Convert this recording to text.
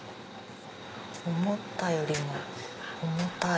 思ったよりも重たい。